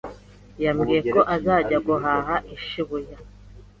Yambwiye ko azajya guhaha i Shibuya.